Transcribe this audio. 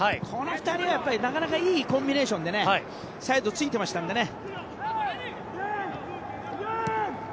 この２人が、なかなかいいコンビネーションでサイドを突いていましたので。